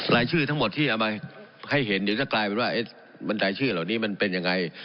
รายชื่อทั้งหมดที่เอามาให้เห็นเดี๋ยวจะกลายเป็นว่าบรรยายชื่อเหล่านี้มันเป็นยังไง